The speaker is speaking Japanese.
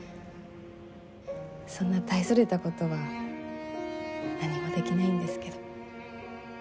そんな大それた事は何もできないんですけど。